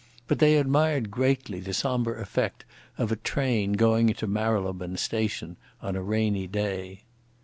But they admired greatly the sombre effect of a train going into Marylebone station on a rainy day.